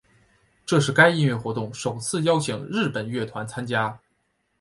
这是该音乐活动首次邀请日本乐团参加。